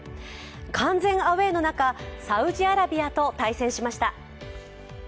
完全アウェーの中、サウジアラビアと対戦しました。